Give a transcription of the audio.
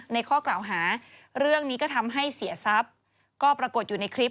ข้อกล่าวหาเรื่องนี้ก็ทำให้เสียทรัพย์ก็ปรากฏอยู่ในคลิป